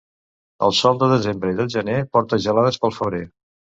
El sol de desembre i del gener porta gelades pel febrer.